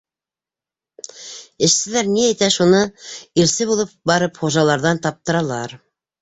Эшселәр ни әйтә, шуны, илсе булып барып, хужаларҙан таптыралар.